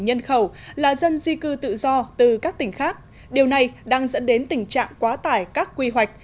ba trăm linh nhân khẩu là dân di cư tự do từ các tỉnh khác điều này đang dẫn đến tình trạng quá tải các quy hoạch